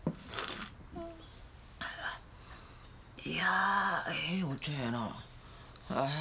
いやえぇお茶やなぁ。